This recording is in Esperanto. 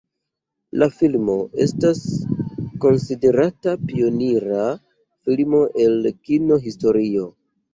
La filmo estas konsiderata pionira filmo el kino-historio.